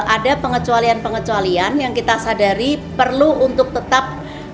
ada pengecualian pengecualian yang kita sadari perlu untuk tetap